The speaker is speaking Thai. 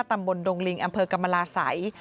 ร๑๕ตำบลดงลิงบนกรรมราศัย